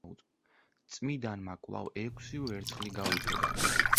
წმიდანმა კვლავ ექვსი ვერცხლი გაუწოდა.